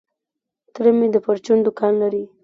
تره مي د پرچون دوکان لري .